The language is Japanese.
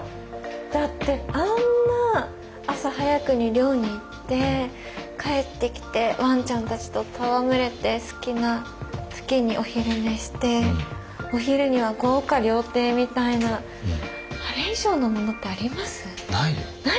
だってあんな朝早くに漁に行って帰って来てワンちゃんたちと戯れて好きにお昼寝してお昼には豪華料亭みたいなあれ以上のものってあります？ないよ。